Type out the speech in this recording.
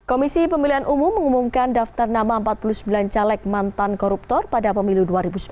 komisi pemilihan umum mengumumkan daftar nama empat puluh sembilan caleg mantan koruptor pada pemilu dua ribu sembilan belas